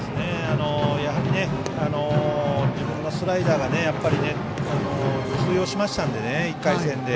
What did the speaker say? やはり自分のスライダーが通用しましたのでね、１回戦で。